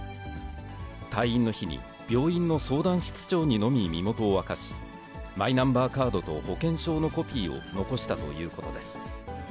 退院の日に、病院の相談室長にのみ身元を明かし、マイナンバーカードと保険証のコピーを残したということです。